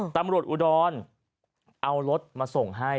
ตำรวจอุดรเอารถมาส่งให้